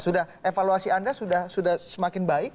sudah evaluasi anda sudah semakin baik